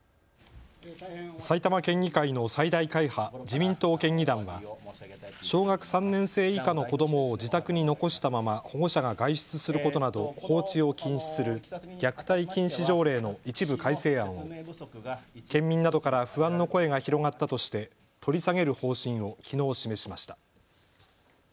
埼玉県議会の最大会派、自民党県議団は小学３年生以下の子どもを自宅に残したまま保護者が外出することなど放置を禁止する虐待禁止条例の一部改正案を県民などから不安の声が広がったとして取り下げる方針をきのう示しました。